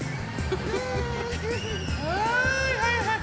はいはいはい！